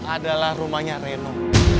adalah rumahnya reno